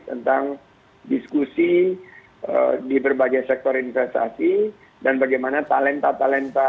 tentang diskusi di berbagai sektor investasi dan bagaimana talenta talenta